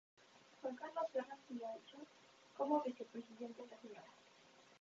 Juan Carlos Guerra Fiallos como Vicepresidente, la Sra.